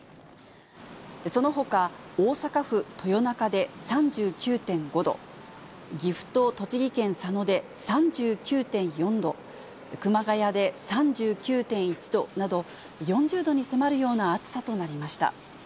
そのほか、大阪府豊中で３９．５度、岐阜と栃木県佐野で３９．４度、熊谷で３９．１度など、４０度に迫るような暑さとなりました。